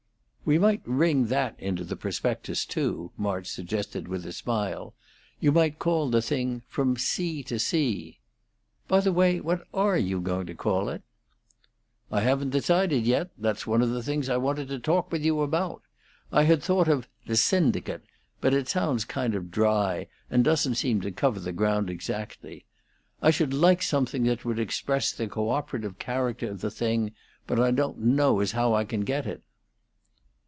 "We might ring that into the prospectus, too," March suggested, with a smile. "You might call the thing 'From Sea to Sea.' By the way, what are you going to call it?" "I haven't decided yet; that's one of the things I wanted to talk with you about. I had thought of 'The Syndicate'; but it sounds kind of dry, and doesn't seem to cover the ground exactly. I should like something that would express the co operative character of the thing, but I don't know as I can get it."